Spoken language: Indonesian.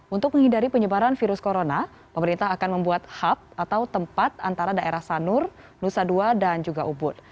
untuk menghindari penyebaran virus corona pemerintah akan membuat hub atau tempat antara daerah sanur nusa dua dan juga ubud